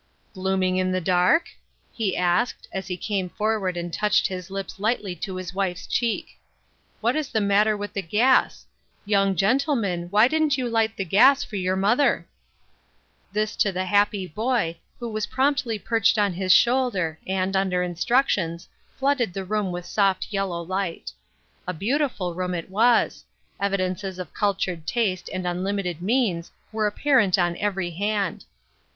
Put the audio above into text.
" Glooming in the dark ?" he asked, as he came forward and touched his lips lightly to his wife's cheek. " What is the matter with the gas ? Young gentleman, why didn't you light the gas for your mother ?" This to the happy boy, who was promptly perched on his shoulder, and, under instructions, flooded the room with soft yellow light. A beau tiful room it was ; evidences of cultured taste and unlimited means were apparent on every hand.